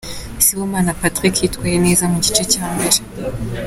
Sibomana Patrick yitwaye neza mu gice cya mbere.